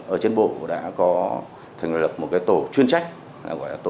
ở trên bộ đã có thành lập một cái tổ chuyên trách gọi là tổ ba trăm sáu mươi tám